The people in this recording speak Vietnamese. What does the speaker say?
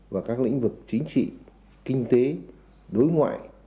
và các lĩnh vực chính trị kinh tế đối ngoại